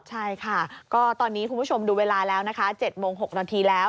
ใช่ค่ะก็ตอนนี้คุณผู้ชมดูเวลาแล้วนะคะ๗โมง๖นาทีแล้ว